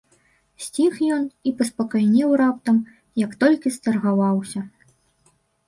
Сціх ён і паспакайнеў раптам, як толькі старгаваўся.